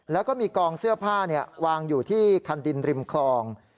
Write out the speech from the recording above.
แล้วก็มีกองเสื้อผ้าวางอยู่ที่คันดินริมคลอง